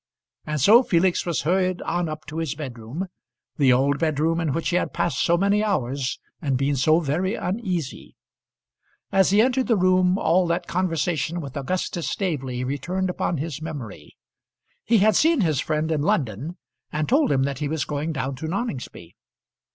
And so Felix was hurried on up to his bedroom the old bedroom in which he had passed so many hours, and been so very uneasy. As he entered the room all that conversation with Augustus Staveley returned upon his memory. He had seen his friend in London, and told him that he was going down to Noningsby.